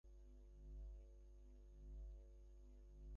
ঈর্ষাবশত তাঁর নিশ্চয়ই মাথা খারাপ হয়েছে।